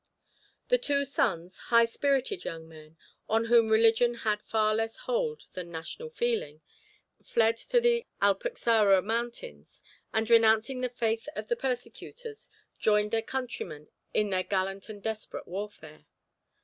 The two sons, high spirited young men, on whom religion had far less hold than national feeling, fled to the Alpuxarra Mountains, and renouncing the faith of the persecutors, joined their countrymen in their gallant and desperate warfare.